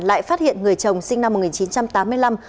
lại phát hiện người chồng sinh năm một nghìn chín trăm tám mươi năm